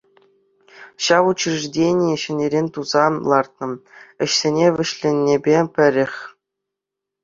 Ҫав учреждение ҫӗнӗрен туса лартнӑ, ӗҫсене вӗҫленӗпе пӗрех.